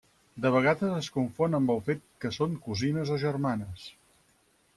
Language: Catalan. De vegades es confon amb el fet que són cosines o germanes.